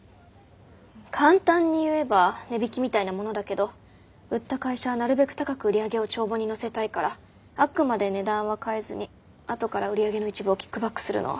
簡単に言えば値引きみたいなものだけど売った会社はなるべく高く売り上げを帳簿に載せたいからあくまで値段は変えずにあとから売り上げの一部をキックバックするの。